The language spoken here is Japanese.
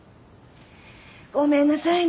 ごめんなさいね